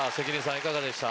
いかがでした？